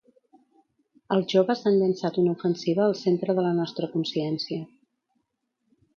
Els joves han llançat una ofensiva al centre de la nostra consciència.